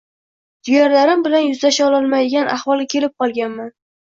Jigarlarim bilan yuzlasha olmaydigan ahvolga kelib qolganman